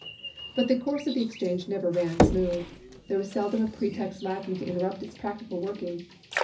But the course of exchange never ran smooth. There was seldom a pretext lacking to interrupt its practical working.